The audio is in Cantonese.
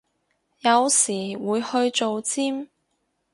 有時會去做尖